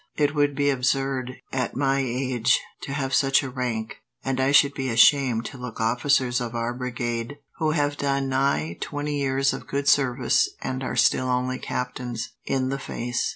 It would be absurd, at my age, to have such a rank, and I should be ashamed to look officers of our brigade, who have done nigh twenty years of good service and are still only captains, in the face.